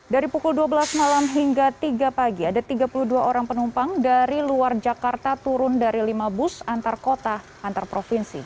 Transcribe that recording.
dari pukul dua belas malam hingga tiga pagi ada tiga puluh dua orang penumpang dari luar jakarta turun dari lima bus antar kota antar provinsi